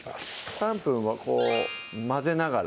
３分は混ぜながら？